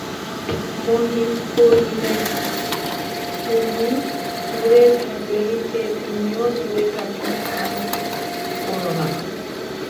মহিম কহিলেন, তুমি দূরে থাকলেই যে তিনিও দূরে থাকেন তা মনেও কোরো না।